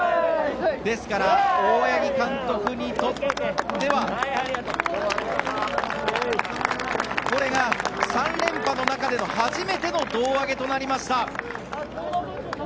ですから、大八木監督にとってはこれが３連覇の中での初めての胴上げとなりました。